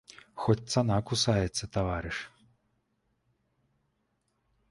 Хоць цана кусаецца, таварыш.